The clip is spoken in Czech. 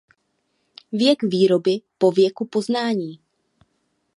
Věk výroby po věku poznání.